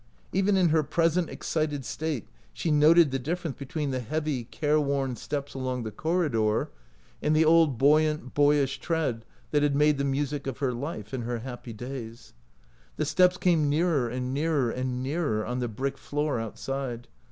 Even in her present excited state she noted the difference between the heavy, 118 OUT OF BOHEMIA careworn steps along the corridor and the old buoyant, boyish tread that had made the music of her life in her happy days. The steps came nearer and nearer and nearer on the brick floor outside.